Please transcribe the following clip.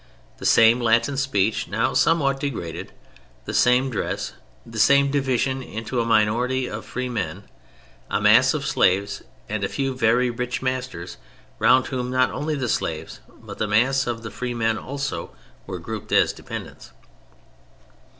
The same Latin speech, now somewhat degraded, the same dress, the same division into a minority of free men, a majority of slaves, and a few very rich masters round whom not only the slaves but the mass of the free men also were grouped as dependents.